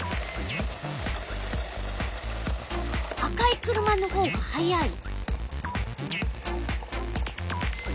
赤い車のほうが速い。